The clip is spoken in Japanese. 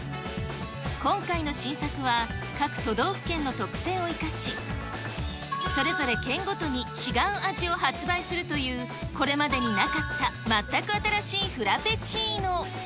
今回の新作は、各都道府県の特性を生かし、それぞれ県ごとに違う味を発売するという、これまでになかった、全く新しいフラペチーノ。